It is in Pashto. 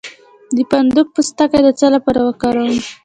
د فندق پوستکی د څه لپاره وکاروم؟